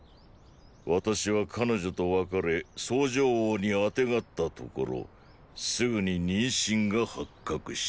私は彼女と別れ荘襄王にあてがったところすぐに妊娠が発覚した。